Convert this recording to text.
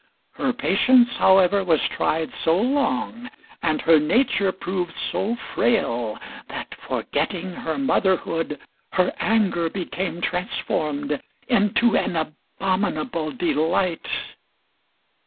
Her patience, however, was tried so long, and her nature proved so frail that, forgetting her motherhood, her anger became transformed into an abominable delight.